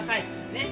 ねっ。